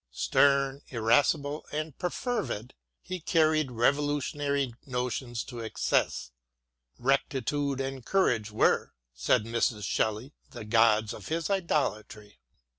Stern, irascible, and perfervid, he carried revolutionary notions to 72 WILLIAM GODWIN AND excess. " Rectitude and Courage were," said Mrs. Shelley, " the Gods of his idolatry.